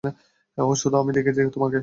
ও শুধু --- আমি দেখেছি তোমাকে।